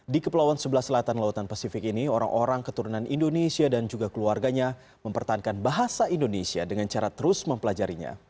di kepulauan sebelah selatan lautan pasifik ini orang orang keturunan indonesia dan juga keluarganya mempertahankan bahasa indonesia dengan cara terus mempelajarinya